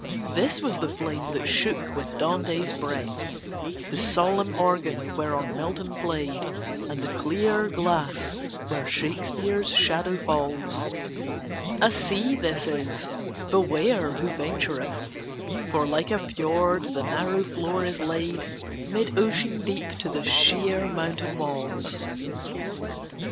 This was the flame that shook with Dante's breath ; The solenm organ whereon Milton played, And the clear glass where Shakespeare's shadow falls : A sea this is — beware who ventureth I For like a fjord the narrow floor b laid Mid ocean deep to the sheer mountain walls.